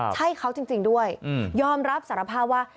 ใช่เขาจริงด้วยยอมรับสารภาพว่า